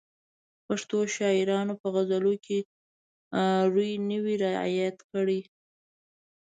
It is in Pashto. پښتو شاعرانو په غزلونو کې روي نه وي رعایت کړی.